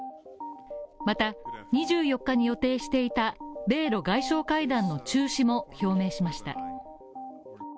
また、２４日に予定していた米ロ外相会談の中止も表明しました。